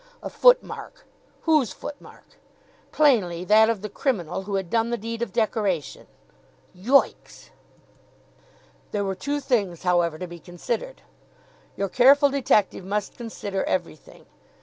A foot mark. Whose foot mark? Plainly that of the criminal who had done the deed of decoration. Yoicks! There were two things, however, to be considered. Your careful detective must consider everything.